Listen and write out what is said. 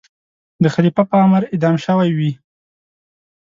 د خلیفه په امر اعدام شوی وي.